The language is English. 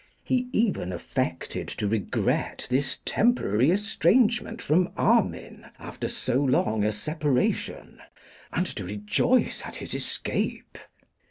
He even affected to regret this temporary estrangement from Armine after so long a separation, and to rejoice at his escape.